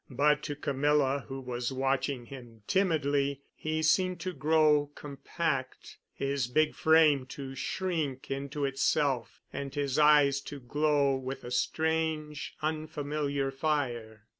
But to Camilla, who was watching him timidly, he seemed to grow compact, his big frame to shrink into itself and his eyes to glow with a strange, unfamiliar fire.